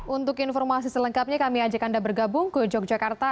untuk informasi selengkapnya kami ajak anda bergabung ke yogyakarta